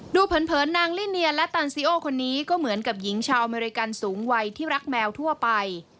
เผินนางลิเนียและตันซีโอคนนี้ก็เหมือนกับหญิงชาวอเมริกันสูงวัยที่รักแมวทั่วไป